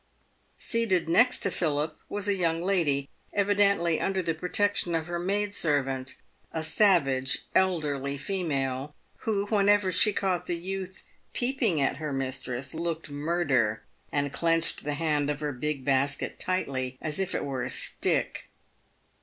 Seated next to Philip was a young lady — evidently under the pro tection of her maid servant, a savage, elderly female, who, whenever she caught the youth peeping at her mistress, looked murder, and clenched the handle of her big basket tightly as if it were a stick.